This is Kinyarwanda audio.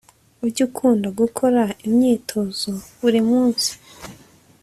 ujye ukunda gukora imyitozo buri munsi